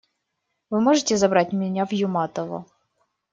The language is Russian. Вы можете забрать меня в Юматово?